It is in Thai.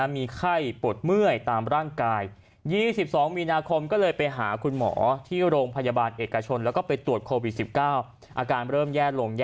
มีไข้ปวดเมื่อยตามร่างกาย